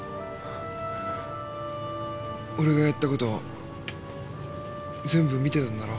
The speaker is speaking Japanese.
俺がやったこと全部見てたんだろ？